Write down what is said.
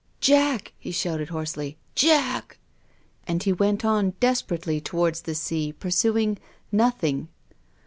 " Jack !" he shouted hoarsely, " Jack !" And he went on desperately towards the sea, pursuing — nothing.